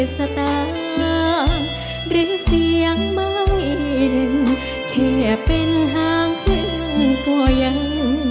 สตารึ่งเสียงไม่ดึงแค่เป็นทางขึ้นก็ยัง